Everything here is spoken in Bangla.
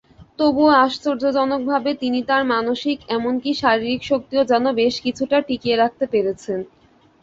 তবুও আশ্চর্যজনকভাবে তিনি তার মানসিক, এমনকি শারীরিক শক্তিও যেন বেশকিছুটা টিকিয়ে রাখতে পেরেছেন।